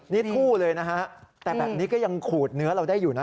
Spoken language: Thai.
นี่ทู่เลยนะฮะแต่แบบนี้ก็ยังขูดเนื้อเราได้อยู่นะ